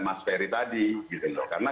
mas ferry tadi karena